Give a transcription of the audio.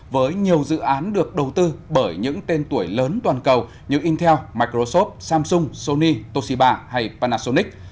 với nhiều dự án được đầu tư bởi những tên tuổi lớn toàn cầu như intel microsoft samsung sony toshiba hay panasonic